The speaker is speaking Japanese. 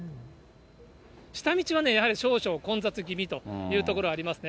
下道はね、やはり少々混雑気味というところありますね。